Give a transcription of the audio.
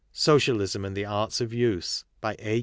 Socialism and ttie' Arts of Use. By A.